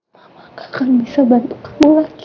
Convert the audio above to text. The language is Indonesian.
mama gak akan bisa bantu kamu lagi